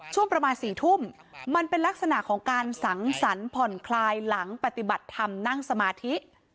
ช่วงประมาณ๔ทุ่มมันเป็นลักษณะของการสังสรรค์ผ่อนคลายหลังปฏิบัติธรรมนั่งสมาธิ